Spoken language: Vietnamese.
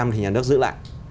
ba mươi thì nhà nước giữ lại